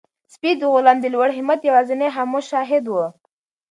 سپی د غلام د لوړ همت یوازینی خاموش شاهد و.